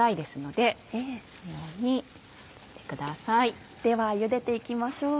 ではゆでて行きましょう。